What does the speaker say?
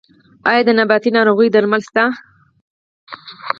آیا د نباتي ناروغیو درمل شته؟